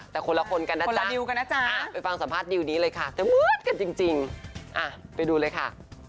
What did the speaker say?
แต่คนละคนกันนะจ๊ะดิวกันนะจ๊ะไปฟังสัมภาษณ์ดิวนี้เลยค่ะแต่เหมือนกันจริงไปดูเลยค่ะ